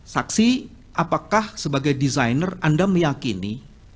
saksi apakah sebagai desainer anda meyakini